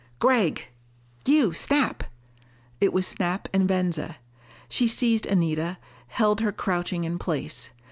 "Gregg!" "You, Snap!" It was Snap and Venza. She seized Anita, held her crouching in place.